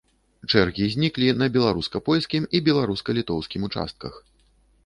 Чэргі зніклі на беларуска-польскім і беларуска-літоўскім участках.